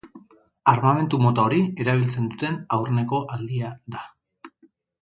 Armamentu mota hori erabiltzen duten aurreneko aldia da.